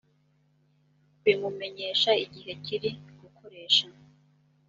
kubimumenyesha igihe kiri gukoresha